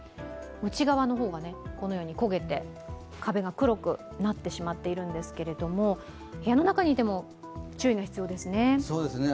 内側が焦げて壁が黒くなってしまっているんですけど部屋の中にいても注意が必要ですね。